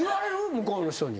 向こうの人に。